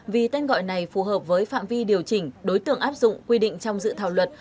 vì tên gọi này phù hợp với phạm vi điều chỉnh đối tượng áp dụng quy định trong dự thảo luật